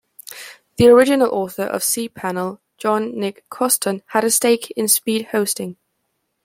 The original author of cPanel, John Nick Koston, had a stake in Speed Hosting.